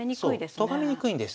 とがめにくいんです。